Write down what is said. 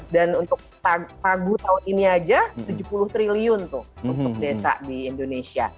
dan untuk pagu tahun ini saja tujuh puluh triliun untuk desa di indonesia